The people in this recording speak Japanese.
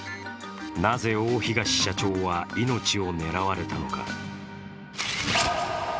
なぜ大東社長は命を狙われたのか。